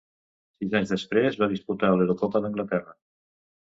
Sis anys després va disputar l'Eurocopa d'Anglaterra.